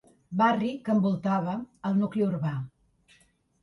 Barri que envoltava el nucli urbà.